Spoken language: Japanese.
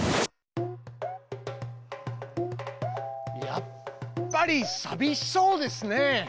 やっぱりさびしそうですね。